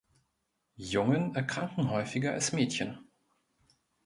Jungen erkranken häufiger als Mädchen.